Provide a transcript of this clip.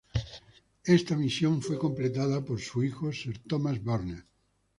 Esta misión fue completada por su hijo, "sir" Thomas Burnett.